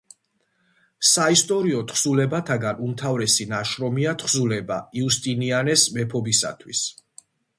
საისტორიო თხზულებათაგან უმთავრესი ნაშრომია თხზულება „იუსტინიანეს მეფობისათვის“.